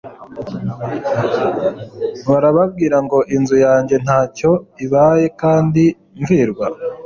barambwira ngo inzu yajye ntacyo ibaye kandi mvirwa,